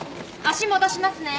足戻しますね。